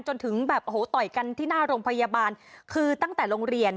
จนถึงแบบโอ้โหต่อยกันที่หน้าโรงพยาบาลคือตั้งแต่โรงเรียน